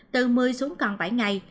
từ một mươi xuống còn bảy ngày